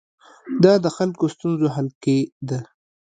دا د خلکو ستونزو حل کې ده.